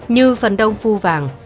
như phần đông phu vàng